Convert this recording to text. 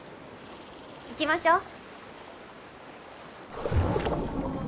行きましょう。